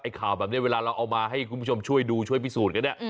ข่าวแบบนี้เวลาเราเอามาให้คุณผู้ชมช่วยดูช่วยพิสูจน์กันเนี่ย